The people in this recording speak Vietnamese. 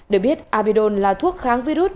để biết abidol là thuốc kháng virus